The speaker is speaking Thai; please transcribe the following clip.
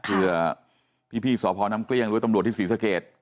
ก็คือพี่สพน้ำเกลี้ยงรวยตำรวจที่ศรีสเกษ